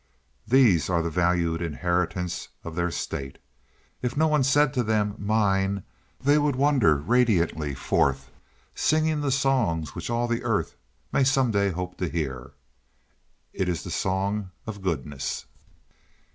These are the valued inheritance of their state. If no one said to them "Mine," they would wander radiantly forth, singing the song which all the earth may some day hope to hear. It is the song of goodness.